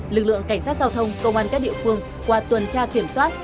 lực lượng cảnh sát giao thông công an các địa phương qua tuần tra kiểm soát